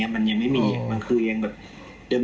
มันยังเบลอจะเป็นเดิม